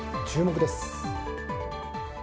注目です。